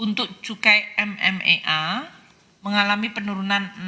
untuk cukai mmea mengalami penurunan enam eh dua tujuh